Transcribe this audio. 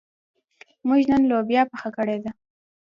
موږ نن لوبیا پخه کړې ده.